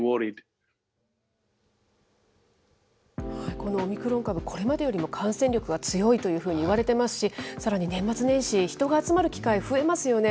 このオミクロン株、これまでよりも感染力が強いというふうにいわれてますし、さらに年末年始、人が集まる機会増えますよね。